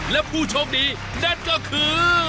และผู้โชคดีนั่นก็คือ